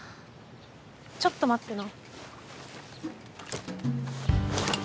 ちょっと待ってな。